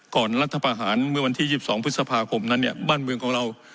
ก่อนรัฐธรรมหารณ์เมื่อวันที่ยิบสองพฤษภาคมนั้นเนี้ยบ้านเมืองของเรา